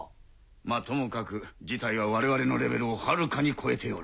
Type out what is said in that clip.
まぁともかく事態は我々のレベルをはるかに超えておる。